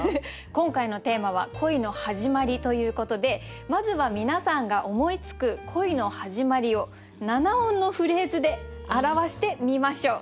今回のテーマは「恋の始まり」ということでまずは皆さんが思いつく恋の始まりを７音のフレーズで表してみましょう。